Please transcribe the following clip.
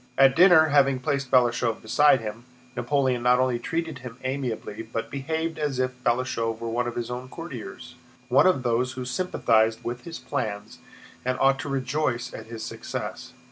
At dinner, having placed Balashëv beside him, Napoleon not only treated him amiably but behaved as if Balashëv were one of his own courtiers, one of those who sympathized with his plans and ought to rejoice at his success.